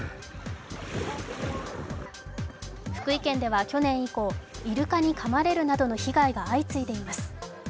福井県では去年以降イルカにかまれるなどの被害が相次いでいます。